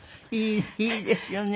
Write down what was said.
いいですよね。